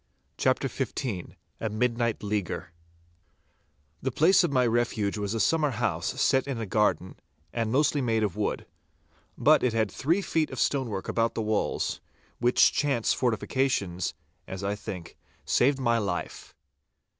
*CHAPTER XV* *A MIDNIGHT LEAGUER* The place of my refuge was a summer house set in a garden, and mostly made of wood. But it had three feet of stonework about the walls, which chance fortifications, as I think, saved my life.